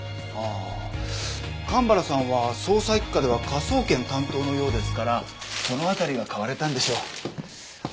ああ蒲原さんは捜査一課では科捜研担当のようですからその辺りが買われたんでしょう。